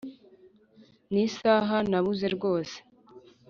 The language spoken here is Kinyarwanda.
nisaha nabuze rwose